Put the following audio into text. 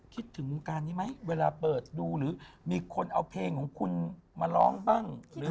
คิดถึงมุมการใช่ไหมเวลาเปิดดูหรือมีคนเอาเพลงคุณมาร้องบ้าง